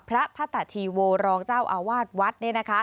พระธตะชีโวรองเจ้าอาวาสวัด